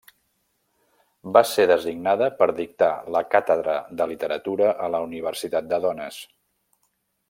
Va ser designada per dictar la càtedra de literatura a la Universitat de Dones.